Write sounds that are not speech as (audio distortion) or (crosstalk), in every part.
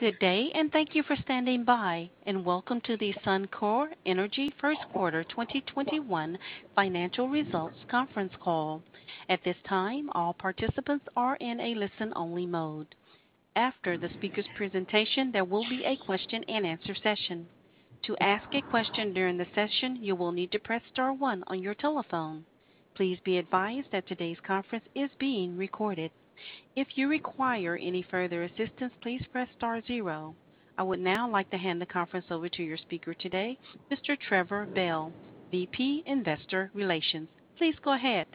Good day, and thank you for standing by, and welcome to the Suncor Energy first quarter 2021 financial results conference call. At this time, all participants are in a listen-only mode. After the speakers' presentation, there will be a question-and-answer session. To ask a question during the session, you will need to press star one on your telephone. Please be advised that today's conference is being recorded. If you require any further assistance, please press star zero. I would now like to hand the conference over to your speaker today, Mr. Trevor Bell, VP, Investor Relations. Please go ahead.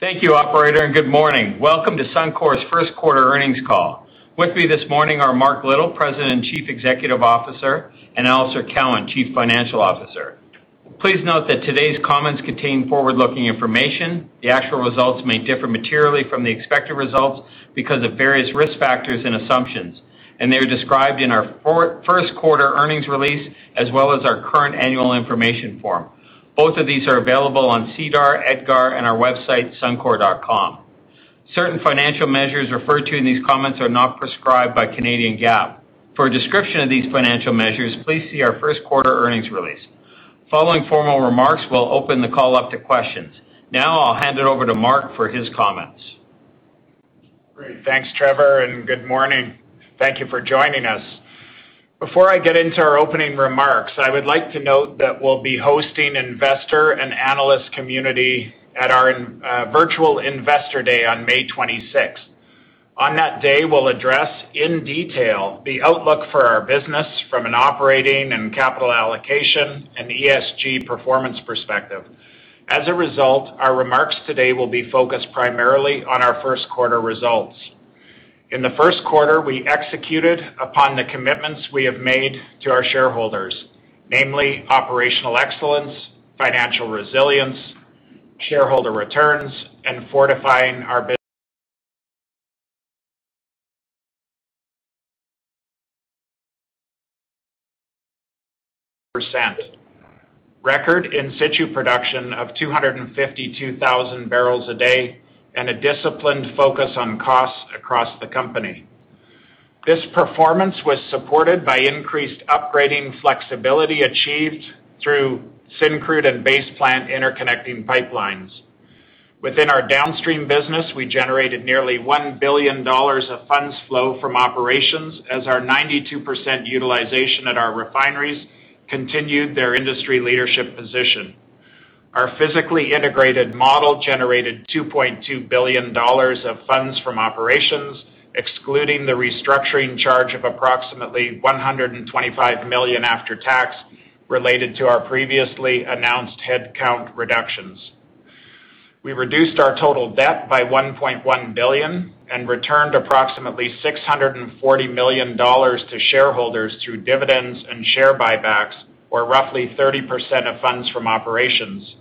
Thank you, operator, and good morning. Welcome to Suncor's first quarter earnings call. With me this morning are Mark Little, President and Chief Executive Officer, and Alister Cowan, Chief Financial Officer. Please note that today's comments contain forward-looking information. The actual results may differ materially from the expected results because of various risk factors and assumptions, and they are described in our first quarter earnings release, as well as our current annual information form. Both of these are available on SEDAR, EDGAR, and our website, suncor.com. Certain financial measures referred to in these comments are not prescribed by Canadian GAAP. For a description of these financial measures, please see our first quarter earnings release. Following formal remarks, we'll open the call up to questions. Now I'll hand it over to Mark for his comments. Great. Thanks, Trevor, and good morning. Thank you for joining us. Before I get into our opening remarks, I would like to note that we'll be hosting investor and analyst community at our Virtual Investor Day on May 26. On that day, we'll address in detail the outlook for our business from an operating and capital allocation and ESG performance perspective. As a result, our remarks today will be focused primarily on our first quarter results. In the first quarter, we executed upon the commitments we have made to our shareholders, namely operational excellence, financial resilience, shareholder returns, and fortifying our, (audio distortion) record in-situ production of 252,000 bbl/d, and a disciplined focus on costs across the company. This performance was supported by increased upgrading flexibility achieved through Syncrude and Base Plant interconnecting pipelines. Within our downstream business, we generated nearly $1 billion of funds flow from operations as our 92% utilization at our refineries continued their industry leadership position. Our physically integrated model generated $2.2 billion of funds from operations, excluding the restructuring charge of approximately $125 million after tax related to our previously announced headcount reductions. We reduced our total debt by $1.1 billion and returned approximately $640 million to shareholders through dividends and share buybacks, or roughly 30% of funds from operations.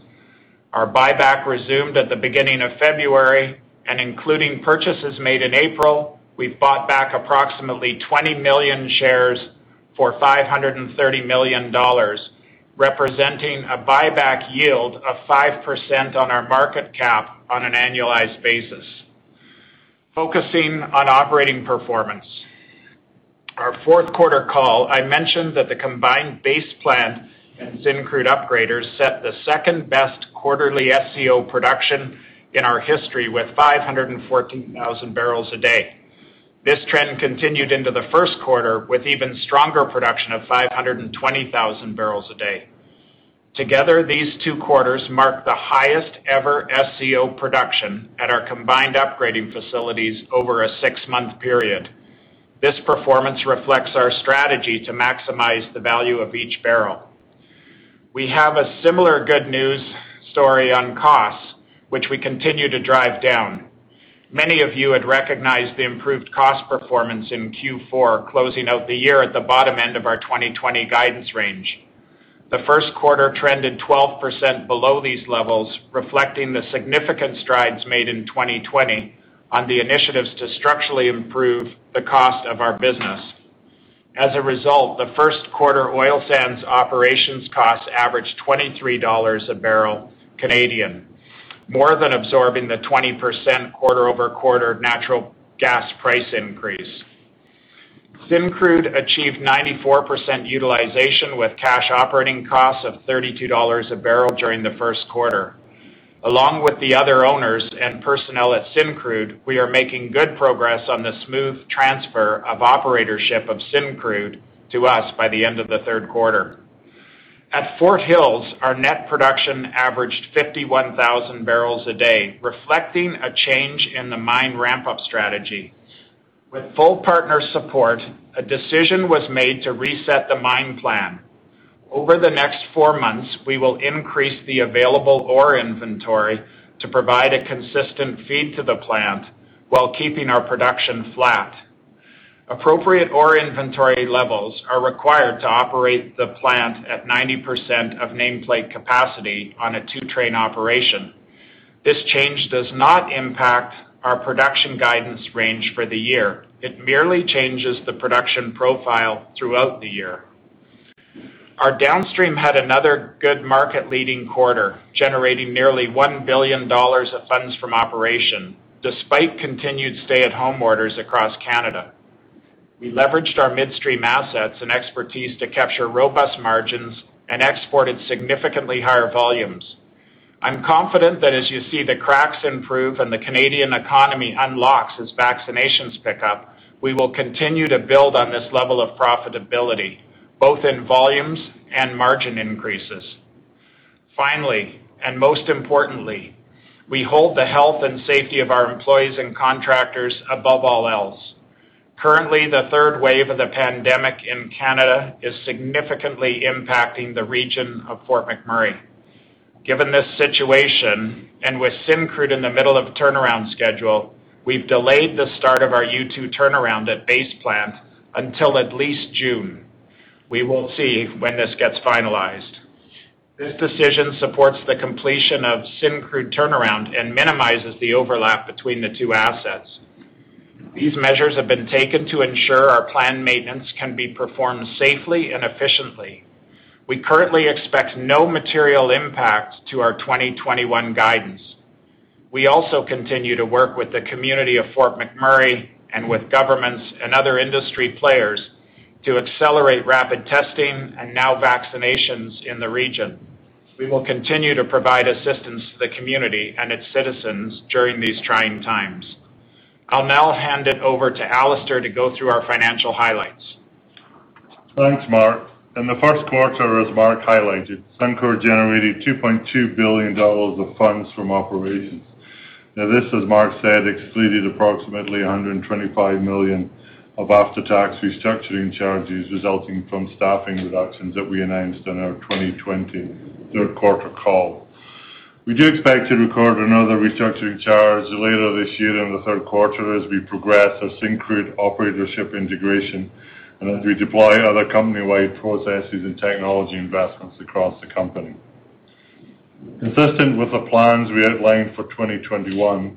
Our buyback resumed at the beginning of February, and including purchases made in April, we've bought back approximately 20 million shares for $530 million, representing a buyback yield of 5% on our market cap on an annualized basis. Focusing on operating performance. Our fourth quarter call, I mentioned that the combined Base Plant and Syncrude upgrader set the second-best quarterly SCO production in our history with 514,000 bbl/d. This trend continued into the first quarter with even stronger production of 520,000 bbl/d. Together, these two quarters mark the highest ever SCO production at our combined upgrading facilities over a six-month period. This performance reflects our strategy to maximize the value of each barrel. We have a similar good news story on costs, which we continue to drive down. Many of you had recognized the improved cost performance in Q4, closing out the year at the bottom end of our 2020 guidance range. The first quarter trended 12% below these levels, reflecting the significant strides made in 2020 on the initiatives to structurally improve the cost of our business. As a result, the first quarter oil sands operations costs averaged 23 dollars a barrel, more than absorbing the 20% quarter-over-quarter natural gas price increase. Syncrude achieved 94% utilization with cash operating costs of $32 a barrel during the first quarter. Along with the other owners and personnel at Syncrude, we are making good progress on the smooth transfer of operatorship of Syncrude to us by the end of the third quarter. At Fort Hills, our net production averaged 51,000 bbl/d, reflecting a change in the mine ramp-up strategy. With full partner support, a decision was made to reset the mine plan. Over the next four months, we will increase the available ore inventory to provide a consistent feed to the plant while keeping our production flat. Appropriate ore inventory levels are required to operate the plant at 90% of nameplate capacity on a two-train operation. This change does not impact our production guidance range for the year. It merely changes the production profile throughout the year. Our downstream had another good market-leading quarter, generating nearly $1 billion of funds from operation, despite continued stay-at-home orders across Canada. We leveraged our midstream assets and expertise to capture robust margins and exported significantly higher volumes. I'm confident that as you see the cracks improve and the Canadian economy unlocks as vaccinations pick up, we will continue to build on this level of profitability, both in volumes and margin increases. Finally, and most importantly, we hold the health and safety of our employees and contractors above all else. Currently, the third wave of the pandemic in Canada is significantly impacting the region of Fort McMurray. Given this situation, and with Syncrude in the middle of a turnaround schedule, we've delayed the start of our U2 turnaround at Base Plant until at least June. We will see when this gets finalized. This decision supports the completion of Syncrude turnaround and minimizes the overlap between the two assets. These measures have been taken to ensure our planned maintenance can be performed safely and efficiently. We currently expect no material impact to our 2021 guidance. We also continue to work with the community of Fort McMurray and with governments and other industry players to accelerate rapid testing and now vaccinations in the region. We will continue to provide assistance to the community and its citizens during these trying times. I'll now hand it over to Alister to go through our financial highlights. Thanks, Mark. In the first quarter, as Mark highlighted, Suncor generated $2.2 billion of funds from operations. This, as Mark said, excluded approximately $125 million of after-tax restructuring charges resulting from staffing reductions that we announced on our 2020 third quarter call. We do expect to record another restructuring charge later this year in the third quarter as we progress our Syncrude operatorship integration and as we deploy other company-wide processes and technology investments across the company. Consistent with the plans we outlined for 2021,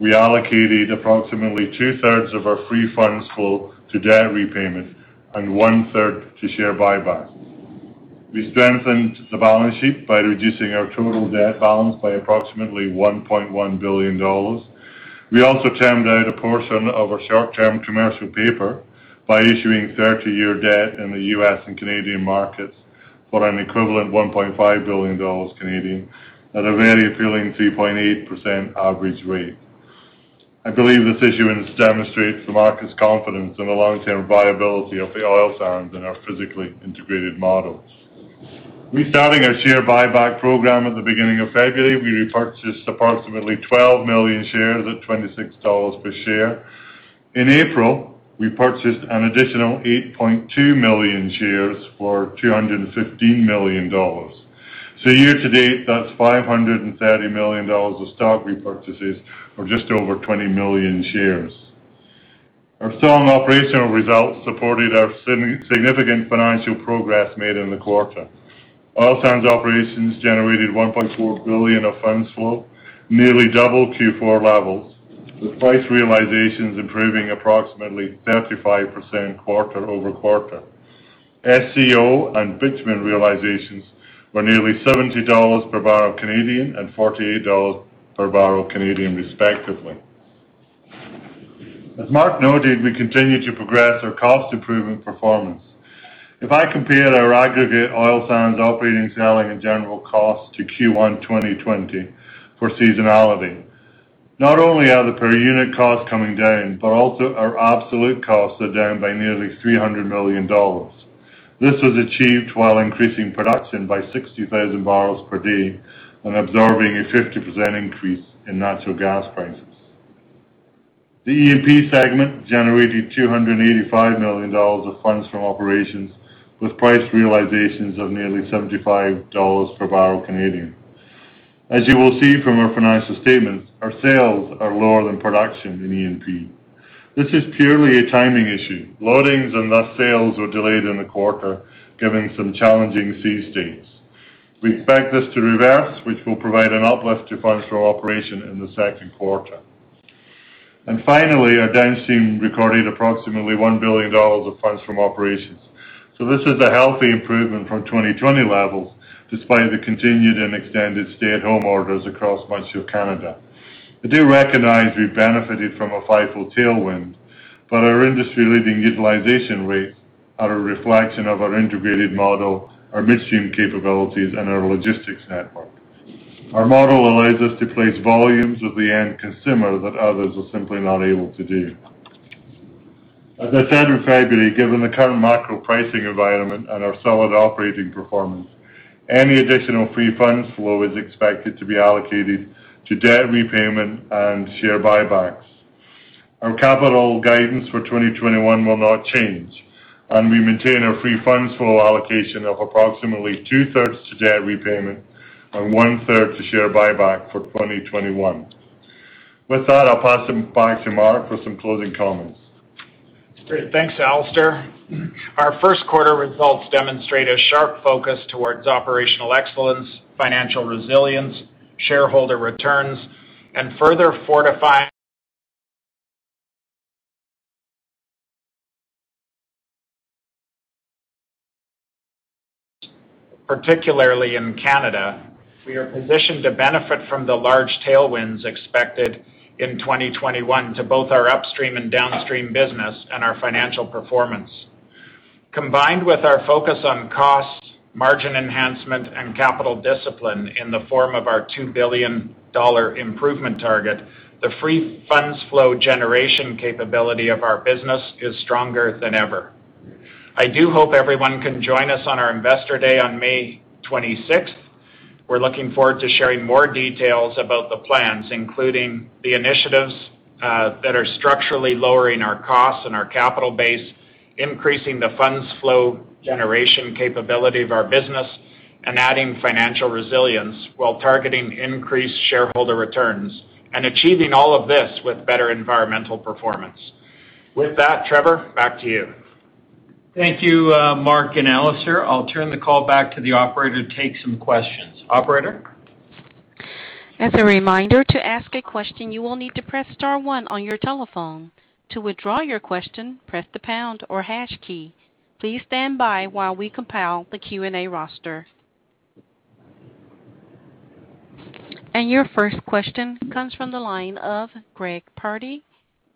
we allocated approximately two-thirds of our free funds flow to debt repayment and one-third to share buybacks. We strengthened the balance sheet by reducing our total debt balance by approximately $1.1 billion. We also termed out a portion of our short-term commercial paper by issuing 30-year debt in the U.S. and Canadian markets for an equivalent 1.5 billion Canadian dollars at a very appealing 3.8% average rate. I believe this issuance demonstrates the market's confidence in the long-term viability of the oil sands and our physically integrated models. Restarting our share buyback program at the beginning of February, we repurchased approximately 12 million shares at $26 per share. In April, we purchased an additional 8.2 million shares for $215 million. Year-to-date, that's $530 million of stock repurchases or just over 20 million shares. Our strong operational results supported our significant financial progress made in the quarter. Oil sands operations generated $1.4 billion of funds flow, nearly double Q4 levels, with price realizations improving approximately 35% quarter-over-quarter. SCO and bitumen realizations were nearly 70 dollars per barrel and 48 dollars per barrel respectively. As Mark noted, we continue to progress our cost improvement performance. If I compare our aggregate oil sands operating, selling, and general costs to Q1 2020 for seasonality, not only are the per unit costs coming down, but also our absolute costs are down by nearly $300 million. This was achieved while increasing production by 60,000 bbl/d and absorbing a 50% increase in natural gas prices. The E&P segment generated $285 million of funds from operations, with price realizations of nearly 75 dollars per barrel. As you will see from our financial statements, our sales are lower than production in E&P. This is purely a timing issue. Loadings and thus sales were delayed in the quarter, given some challenging sea states. We expect this to reverse, which will provide an uplift to funds for operation in the second quarter. Finally, our downstream recorded approximately $1 billion of funds from operations. This is a healthy improvement from 2020 levels, despite the continued and extended stay-at-home orders across much of Canada. I do recognize we benefited from a FIFO tailwind, our industry-leading utilization rates are a reflection of our integrated model, our midstream capabilities, and our logistics network. Our model allows us to place volumes with the end consumer that others are simply not able to do. As I said in February, given the current macro pricing environment and our solid operating performance, any additional free funds flow is expected to be allocated to debt repayment and share buybacks. Our capital guidance for 2021 will not change. We maintain our free funds flow allocation of approximately two-thirds to debt repayment and one-third to share buyback for 2021. With that, I'll pass it back to Mark for some closing comments. Great. Thanks, Alister. Our first quarter results demonstrate a sharp focus towards operational excellence, financial resilience, shareholder returns. Particularly in Canada, we are positioned to benefit from the large tailwinds expected in 2021 to both our upstream and downstream business and our financial performance. Combined with our focus on cost, margin enhancement, and capital discipline in the form of our $2 billion improvement target, the free funds flow generation capability of our business is stronger than ever. I do hope everyone can join us on our Investor Day on May 26. We're looking forward to sharing more details about the plans, including the initiatives that are structurally lowering our costs and our capital base, increasing the funds flow generation capability of our business, and adding financial resilience while targeting increased shareholder returns, and achieving all of this with better environmental performance. With that, Trevor, back to you. Thank you, Mark and Alister. I'll turn the call back to the operator to take some questions. Operator? As a reminder, to ask a question, you will need to press star one on your telephone. To withdraw your question, press the pound or hash key. Please stand by while we compile the Q&A roster. Your first question comes from the line of Greg Pardy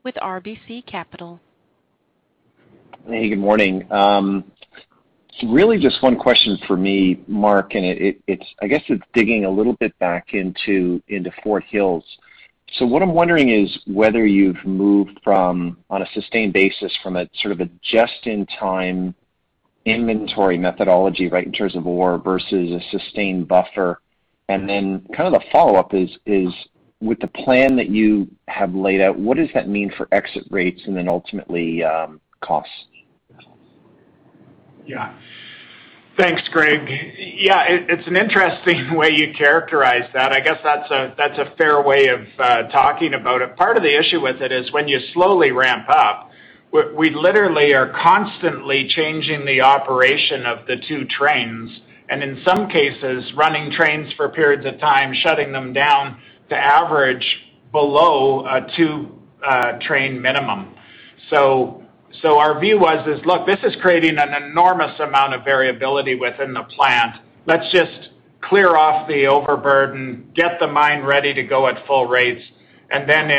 with RBC Capital. Hey, good morning. Really just one question for me, Mark. I guess it's digging a little bit back into Fort Hills. What I'm wondering is whether you've moved from, on a sustained basis, from a just-in-time inventory methodology, right, in terms of ore versus a sustained buffer. The follow-up is, with the plan that you have laid out, what does that mean for exit rates and then ultimately, costs? Thanks, Greg. It's an interesting way you characterize that. I guess that's a fair way of talking about it. Part of the issue with it is when you slowly ramp up, we literally are constantly changing the operation of the two trains, and in some cases, running trains for periods of time, shutting them down to average below a two-train minimum. Our view was, look, this is creating an enormous amount of variability within the plant. Let's just clear off the overburden, get the mine ready to go at full rates, and then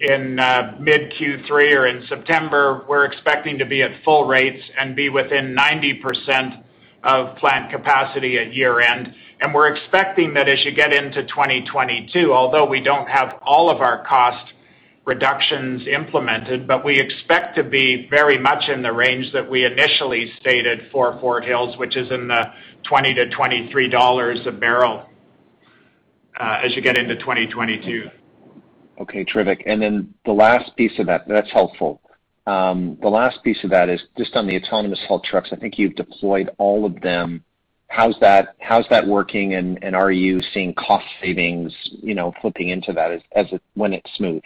in mid Q3 or in September, we're expecting to be at full rates and be within 90% of plant capacity at year-end. We're expecting that as you get into 2022, although we don't have all of our cost reductions implemented, but we expect to be very much in the range that we initially stated for Fort Hills, which is in the 20-23 dollars a barrel, as you get into 2022. Okay, terrific. That's helpful. The last piece of that is just on the autonomous haul trucks. I think you've deployed all of them. How's that working and are you seeing cost savings flipping into that when it's smooth?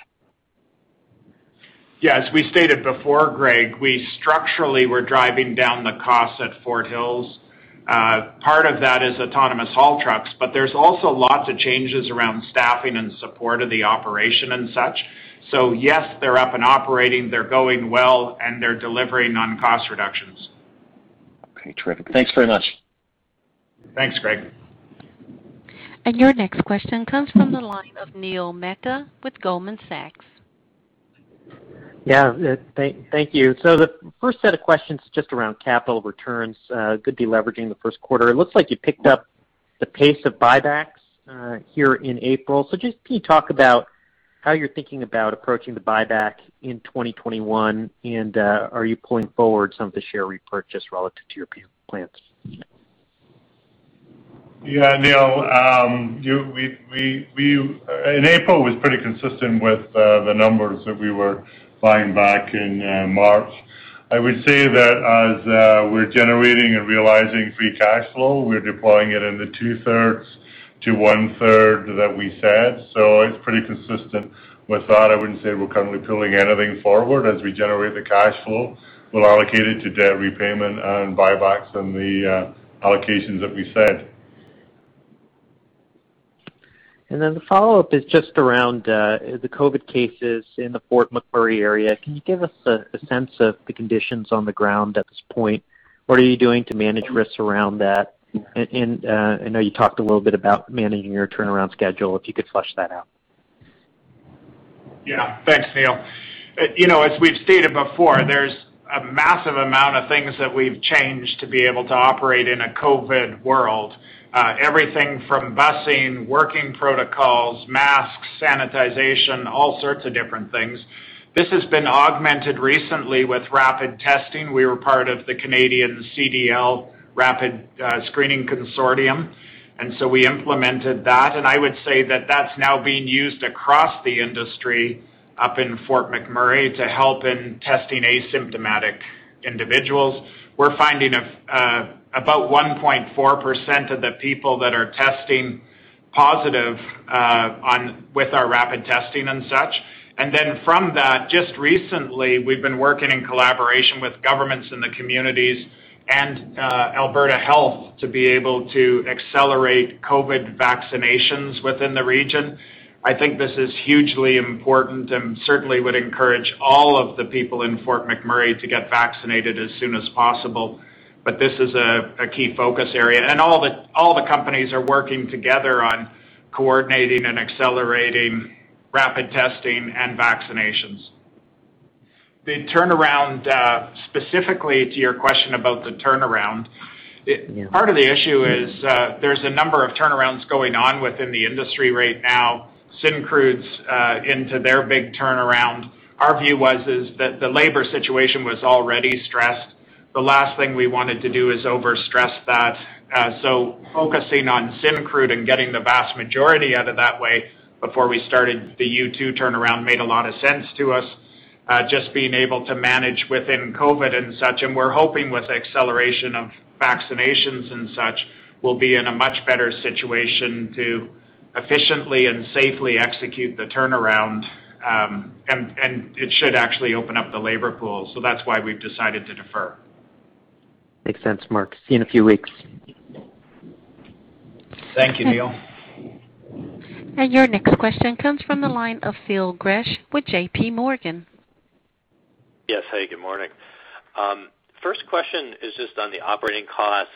Yes. We stated before, Greg, we structurally were driving down the costs at Fort Hills. Part of that is autonomous haul trucks, but there's also lots of changes around staffing and support of the operation and such. Yes, they're up and operating, they're going well, and they're delivering on cost reductions. Okay, terrific. Thanks very much. Thanks, Greg. Your next question comes from the line of Neil Mehta with Goldman Sachs. Yeah. Thank you. The first set of questions, just around capital returns, good deleveraging the first quarter. It looks like you picked up the pace of buybacks here in April. Just can you talk about how you're thinking about approaching the buyback in 2021, and are you pulling forward some of the share repurchase relative to your plans? Yeah, Neil, in April, it was pretty consistent with the numbers that we were buying back in March. I would say that as we're generating and realizing free cash flow, we're deploying it in the two-thirds to one-third that we said. It's pretty consistent with that. I wouldn't say we're currently pulling anything forward. As we generate the cash flow, we'll allocate it to debt repayment and buybacks and the allocations that we said. The follow-up is just around the COVID cases in the Fort McMurray area. Can you give us a sense of the conditions on the ground at this point? What are you doing to manage risks around that? I know you talked a little bit about managing your turnaround schedule, if you could flush that out. Yeah. Thanks, Neil. As we've stated before, there's a massive amount of things that we've changed to be able to operate in a COVID world. Everything from busing, working protocols, masks, sanitization, all sorts of different things. This has been augmented recently with rapid testing. We were part of the Canadian CDL Rapid Screening Consortium, so we implemented that. I would say that that's now being used across the industry up in Fort McMurray to help in testing asymptomatic individuals. We're finding about 1.4% of the people that are testing positive with our rapid testing and such. From that, just recently, we've been working in collaboration with governments in the communities and Alberta Health to be able to accelerate COVID vaccinations within the region. I think this is hugely important and certainly would encourage all of the people in Fort McMurray to get vaccinated as soon as possible. This is a key focus area. All the companies are working together on coordinating and accelerating rapid testing and vaccinations. The turnaround, specifically to your question about the turnaround. Yeah. Part of the issue is there's a number of turnarounds going on within the industry right now. Syncrude's into their big turnaround. Our view was is that the labor situation was already stressed. The last thing we wanted to do is overstress that. Focusing on Syncrude and getting the vast majority out of that way before we started the U2 turnaround made a lot of sense to us. Just being able to manage within COVID and such, and we're hoping with acceleration of vaccinations and such, we'll be in a much better situation to efficiently and safely execute the turnaround. It should actually open up the labor pool. That's why we've decided to defer. Makes sense, Mark. See you in a few weeks. Thank you, Neil. Your next question comes from the line of Phil Gresh with JPMorgan. Yes. Hey, good morning. First question is just on the operating costs.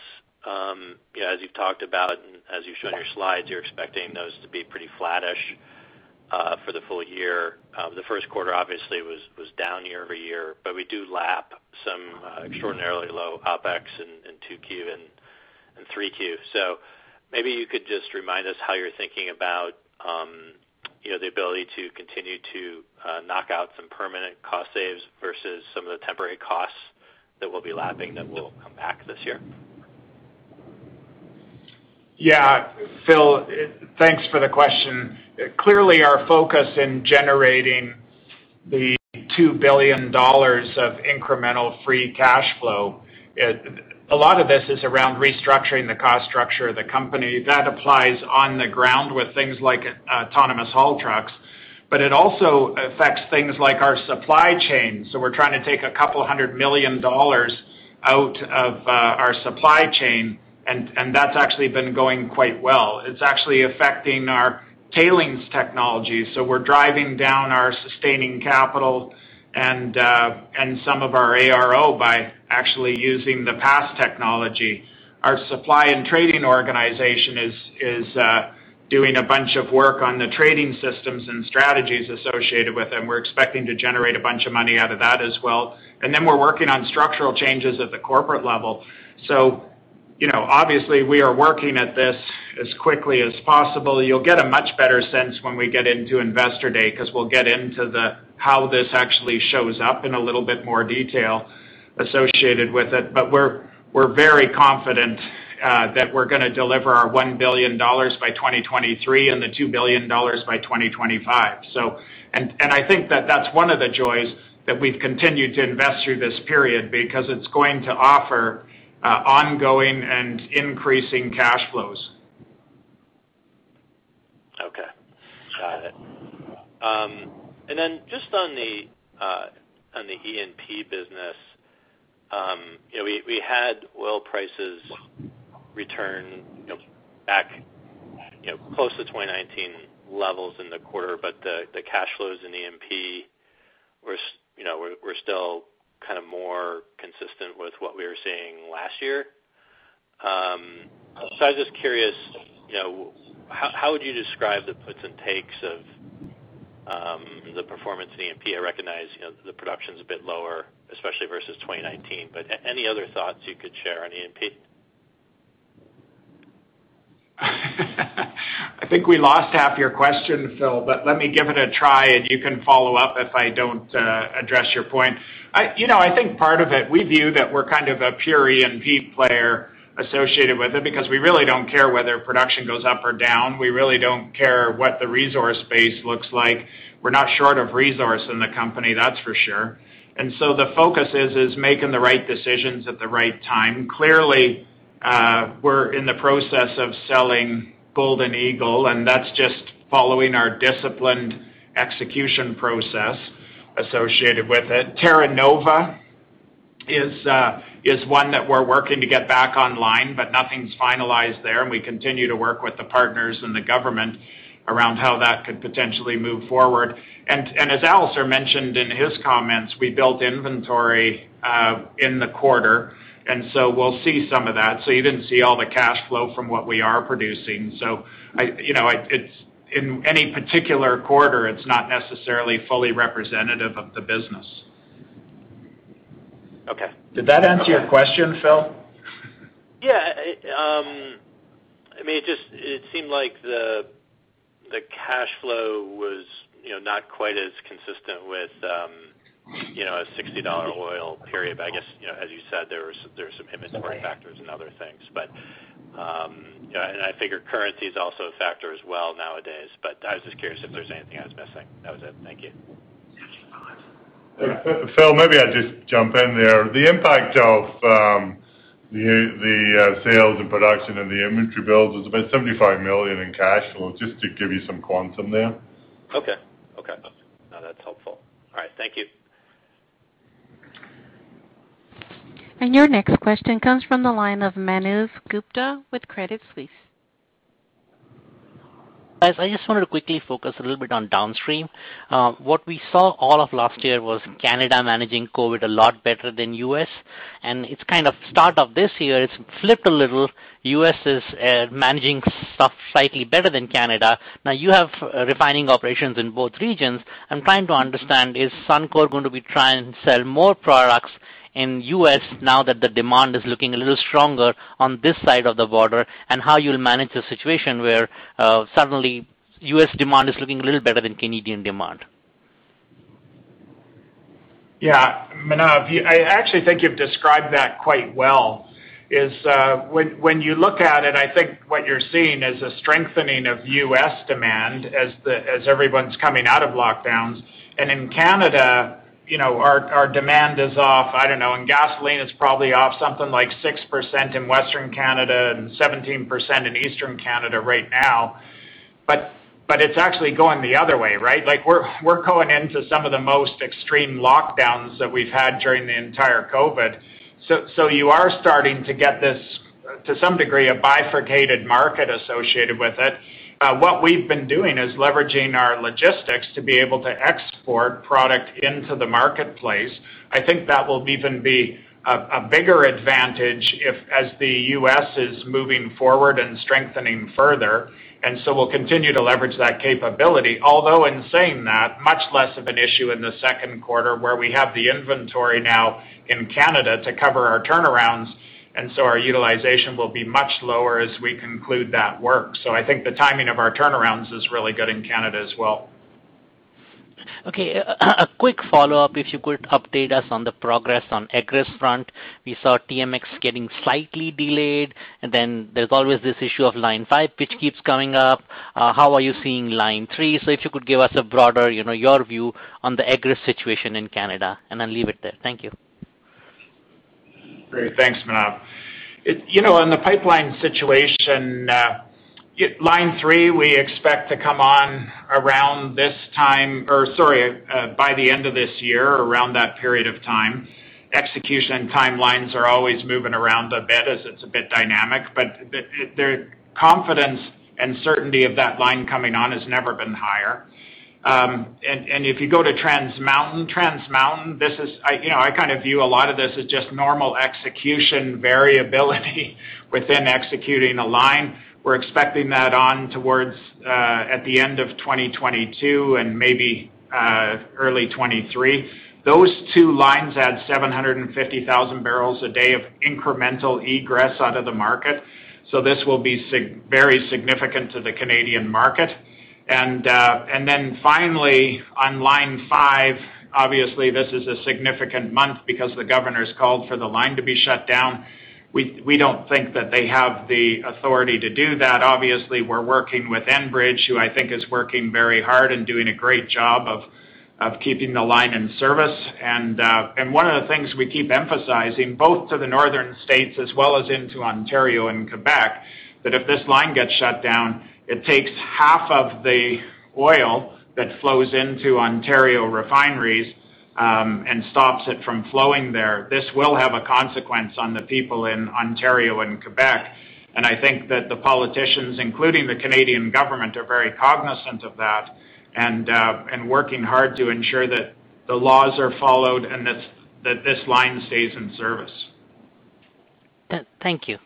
As you've talked about and as you show in your slides, you're expecting those to be pretty flattish for the full year. The first quarter obviously was down year-over-year, we do lap some extraordinarily low OpEx in 2Q and 3Q. Maybe you could just remind us how you're thinking about the ability to continue to knock out some permanent cost saves versus some of the temporary costs that we'll be lapping that will come back this year. Phil, thanks for the question. Clearly, our focus in generating the $2 billion of incremental free cash flow, a lot of this is around restructuring the cost structure of the company. That applies on the ground with things like autonomous haul trucks, but it also affects things like our supply chain. We're trying to take a couple of hundred million dollars out of our supply chain, and that's actually been going quite well. It's actually affecting our tailings technology, so we're driving down our sustaining capital and some of our ARO by actually using the PASS technology. Our supply and trading organization is doing a bunch of work on the trading systems and strategies associated with them. We're expecting to generate a bunch of money out of that as well. Then we're working on structural changes at the corporate level. Obviously, we are working at this as quickly as possible. You'll get a much better sense when we get into Investor Day because we'll get into the how this actually shows up in a little bit more detail associated with it. We're very confident that we're going to deliver our $1 billion by 2023 and the $2 billion by 2025. I think that that's one of the joys that we've continued to invest through this period because it's going to offer ongoing and increasing cash flows. Okay. Got it. Just on the E&P business. We had oil prices return back close to 2019 levels in the quarter, but the cash flows in E&P were still more consistent with what we were seeing last year. I was just curious, how would you describe the puts and takes of the performance in E&P? I recognize the production's a bit lower, especially versus 2019. Any other thoughts you could share on E&P? I think we lost half your question, Phil, but let me give it a try, and you can follow up if I don't address your point. I think part of it, we view that we're kind of a pure E&P player associated with it because we really don't care whether production goes up or down. We really don't care what the resource base looks like. We're not short of resource in the company, that's for sure. The focus is making the right decisions at the right time. Clearly, we're in the process of selling Golden Eagle, and that's just following our disciplined execution process associated with it. Terra Nova is one that we're working to get back online, but nothing's finalized there, and we continue to work with the partners and the government around how that could potentially move forward. As Alister mentioned in his comments, we built inventory in the quarter, and so we'll see some of that. You didn't see all the cash flow from what we are producing. In any particular quarter, it's not necessarily fully representative of the business. Okay. Did that answer your question, Phil? Yeah. It seemed like the cash flow was not quite as consistent with a $60 oil period, I guess, as you said, there's some inventory factors and other things. I figure currency is also a factor as well nowadays, but I was just curious if there's anything I was missing. That was it. Thank you. Your next question comes from the line of Manav Gupta with Credit Suisse. Guys, I just wanted to quickly focus a little bit on downstream. What we saw all of last year was Canada managing COVID a lot better than U.S., it's kind of start of this year, it's flipped a little. U.S. is managing stuff slightly better than Canada. You have refining operations in both regions. I'm trying to understand, is Suncor going to be trying to sell more products in U.S. now that the demand is looking a little stronger on this side of the border? How you'll manage a situation where suddenly U.S. demand is looking a little better than Canadian demand. Manav, I actually think you've described that quite well, is when you look at it, I think what you're seeing is a strengthening of U.S. demand as everyone's coming out of lockdowns. In Canada, our demand is off, I don't know, in gasoline, it's probably off something like 6% in Western Canada and 17% in Eastern Canada right now. It's actually going the other way, right? We're going into some of the most extreme lockdowns that we've had during the entire COVID. You are starting to get this, to some degree, a bifurcated market associated with it. What we've been doing is leveraging our logistics to be able to export product into the marketplace. I think that will even be a bigger advantage as the U.S. is moving forward and strengthening further. We'll continue to leverage that capability. In saying that, much less of an issue in the second quarter where we have the inventory now in Canada to cover our turnarounds, and so our utilization will be much lower as we conclude that work. I think the timing of our turnarounds is really good in Canada as well. Okay. A quick follow-up, if you could update us on the progress on egress front. We saw TMX getting slightly delayed, and then there's always this issue of Line 5, which keeps coming up. How are you seeing Line 3? If you could give us a broader, your view on the egress situation in Canada. I'll leave it there. Thank you. Great. Thanks, Manav. On the pipeline situation, Line 3, we expect to come on around this time or, sorry, by the end of this year, around that period of time. Execution timelines are always moving around a bit as it's a bit dynamic, but the confidence and certainty of that line coming on has never been higher. If you go to Trans Mountain, Trans Mountain, I view a lot of this as just normal execution variability within executing a line. We're expecting that on towards at the end of 2022 and maybe early 2023. Those two lines add 750,000 bbl/d of incremental egress out of the market. This will be very significant to the Canadian market. Finally on Line 5, obviously this is a significant month because the governor's called for the line to be shut down. We don't think that they have the authority to do that. Obviously, we're working with Enbridge, who I think is working very hard and doing a great job of keeping the line in service. One of the things we keep emphasizing both to the northern states as well as into Ontario and Quebec, that if this line gets shut down, it takes half of the oil that flows into Ontario refineries, and stops it from flowing there. This will have a consequence on the people in Ontario and Quebec, I think that the politicians, including the Canadian government, are very cognizant of that and working hard to ensure that the laws are followed and that this line stays in service. Thank you.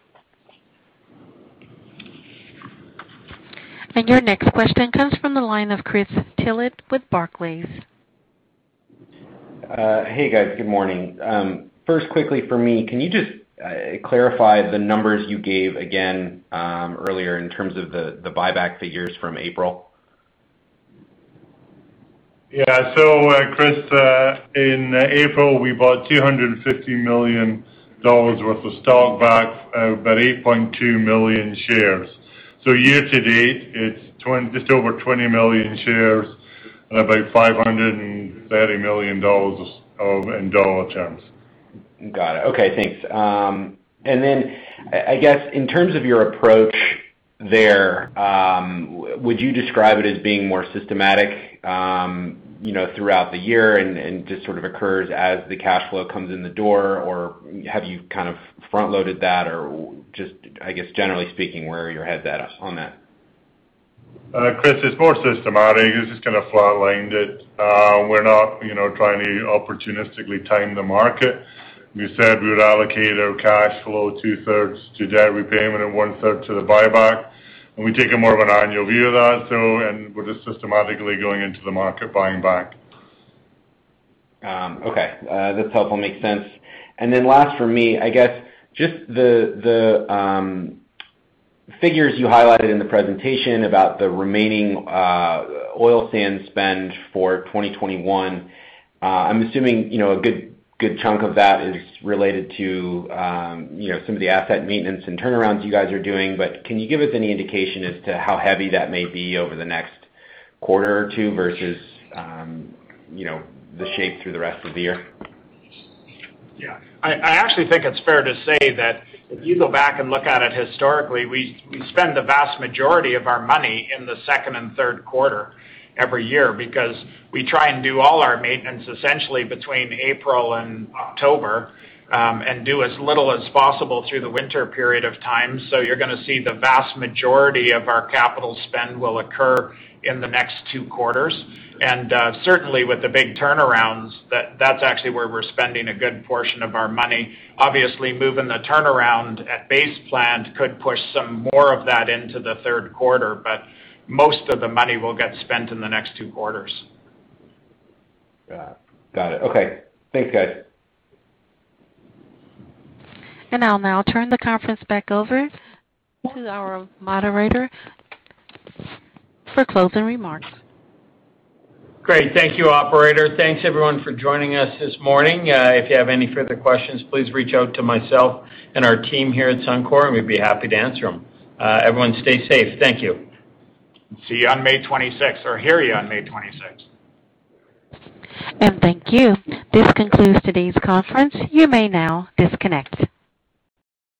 Your next question comes from the line of Chris Tillett with Barclays. Hey, guys. Good morning. First quickly for me, can you just clarify the numbers you gave again earlier in terms of the buyback figures from April? Yeah. Chris, in April, we bought $215 million worth of stock back, about 8.2 million shares. Year-to-date, it's just over 20 million shares and about $530 million in dollar terms. Got it. Okay, thanks. I guess in terms of your approach there, would you describe it as being more systematic, throughout the year and just sort of occurs as the cash flow comes in the door? Have you kind of front-loaded that, or just, I guess generally speaking, where are your heads at on that? Chris, it's more systematic. We just kind of flatlined it. We're not trying to opportunistically time the market. We said we would allocate our cash flow two-thirds to debt repayment and one-third to the buyback, and we've taken more of an annual view of that. We're just systematically going into the market buying back. Okay. That's helpful. Makes sense. Last for me, I guess just the figures you highlighted in the presentation about the remaining oil sand spend for 2021. I'm assuming a good chunk of that is related to some of the asset maintenance and turnarounds you guys are doing. Can you give us any indication as to how heavy that may be over the next quarter or two versus the shape through the rest of the year? Yeah. I actually think it's fair to say that if you go back and look at it historically, we spend the vast majority of our money in the second and third quarter every year because we try and do all our maintenance essentially between April and October, and do as little as possible through the winter period of time. You're going to see the vast majority of our capital spend will occur in the next two quarters. Certainly with the big turnarounds, that's actually where we're spending a good portion of our money. Obviously, moving the turnaround at Base Plant could push some more of that into the third quarter, but most of the money will get spent in the next two quarters. Got it. Okay. Thanks, guys. I'll now turn the conference back over to our moderator for closing remarks. Great. Thank you, operator. Thanks everyone for joining us this morning. If you have any further questions, please reach out to myself and our team here at Suncor, and we'd be happy to answer them. Everyone stay safe. Thank you. See you on May 26 or hear you on May 26. Thank you. This concludes today's conference. You may now disconnect.